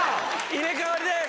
入れ替わりで。